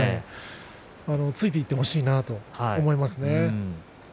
ついていってほしいなと思いますね。